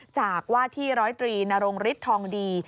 จากว่าที่๑๐๓นโรงฤทธองดี